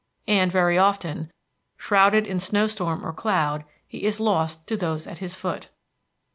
And very often, shrouded in snow storm or cloud, he is lost to those at his foot.